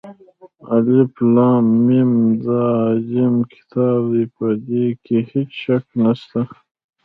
الف لام ، میم دا عظیم كتاب دى، په ده كې هېڅ شك نشته.